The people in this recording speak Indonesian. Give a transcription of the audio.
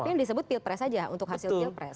tapi yang disebut pilpres saja untuk hasil pilpres